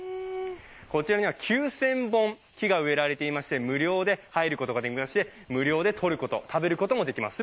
こちらには９０００本、木が植えられていまして無料で入ることができまして、無料でとること、食べることができます。